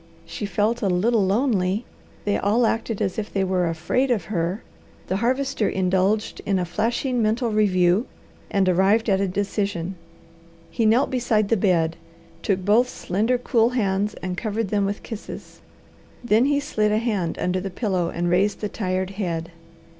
She felt a "little lonely!" They all acted as if they were "afraid" of her. The Harvester indulged in a flashing mental review and arrived at a decision. He knelt beside the bed, took both slender, cool hands and covered them with kisses. Then he slid a hand under the pillow and raised the tired head.